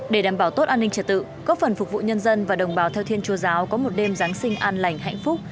để đảm bảo tốt an ninh trật tự có phần phục vụ nhân dân và đồng bào theo thiên chúa giáo có một đêm giáng sinh an lành hạnh phúc